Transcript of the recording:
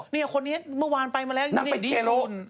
เนี่ยคนนี้เมื่อวานไปมาแล้วนี่นางไปเทโล